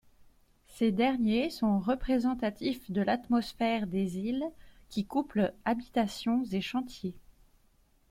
Ces derniers sont représentatifs de l'atmosphère des îles, qui couplent habitations et chantiers.